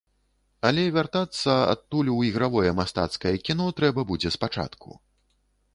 Але вяртацца адтуль у ігравое мастацкае кіно трэба будзе з пачатку.